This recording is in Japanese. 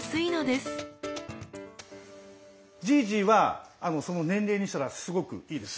じいじはその年齢にしたらすごくいいです。